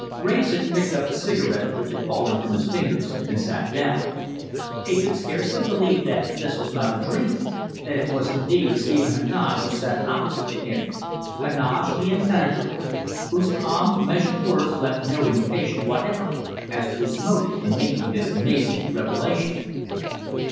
Wrayson picked up the cigarette, which had fallen from his fingers, and sat down. He could scarcely believe that this was not a dream that it was indeed Stephen Heneage who sat opposite to him, Heneage the impenetrable, whose calm, measured words left no indication whatever as to his motive in making this amazing revelation.